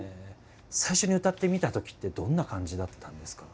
最初に歌ってみたときってどんな感じだったんですか？